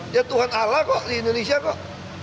ya tuhan ala kok di indonesia kok